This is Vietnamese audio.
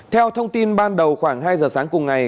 theo thông tin ban đầu khoảng hai giờ sáng cùng ngày